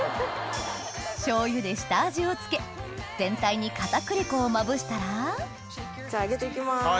醤油で下味を付け全体に片栗粉をまぶしたら揚げて行きます。